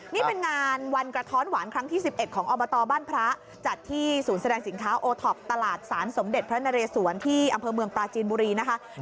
นี่เป็นงานวันกระท้อนหวานครั้งที่๑๑ของอบตบ้านพระจัดที่ศูนย์แสดงสินค้าโอท็อปตลาดสารสมเด็จพระนเรสวนที่อำเภอเมืองปลาจีนบุรีนะคะ